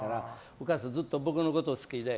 お母さん、ずっと僕のこと好きで。